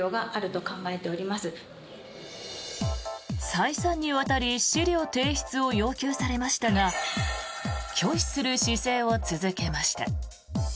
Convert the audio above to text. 再三にわたり資料提出を要求されましたが拒否する姿勢を続けました。